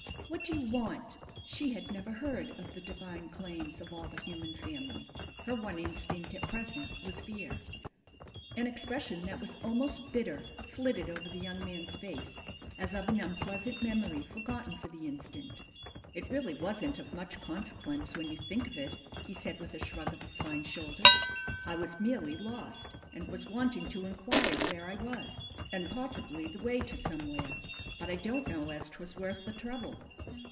"What do you want?" She had never heard of the divine claims of all the human family. Her one instinct at present was fear. An expression that was almost bitter flitted over the young man's face, as of an unpleasant memory forgotten for the instant. "It really wasn't of much consequence when you think of it," he said with a shrug of his fine shoulders. "I was merely lost, and was wanting to inquire where I was and possibly the way to somewhere. But I don't know as 'twas worth the trouble."